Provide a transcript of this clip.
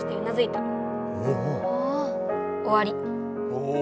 おお。